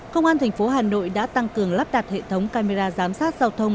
công an thành phố hà nội đã tăng cường lắp đặt hệ thống camera giám sát giao thông